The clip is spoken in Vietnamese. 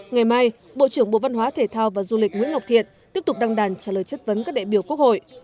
ngày mai bộ trưởng bộ văn hóa thể thao và du lịch nguyễn ngọc thiện tiếp tục đăng đàn trả lời chất vấn các đại biểu quốc hội